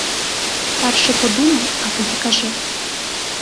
Перше подумай, а тоді кажи.